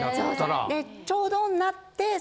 ちょうどになったら。